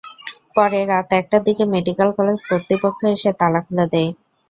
পরে রাত একটার দিকে মেডিকেল কলেজ কর্তৃপক্ষ এসে তালা খুলে দেয়।